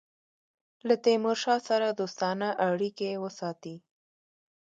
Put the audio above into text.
له تیمورشاه سره دوستانه اړېکي وساتي.